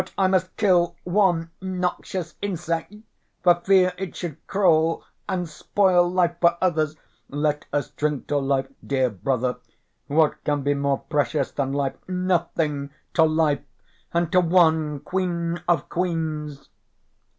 I must kill one noxious insect for fear it should crawl and spoil life for others.... Let us drink to life, dear brother. What can be more precious than life? Nothing! To life, and to one queen of queens!"